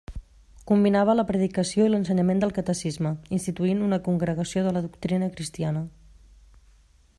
Combinava la predicació i l'ensenyament del catecisme, instituint una Congregació de la Doctrina Cristiana.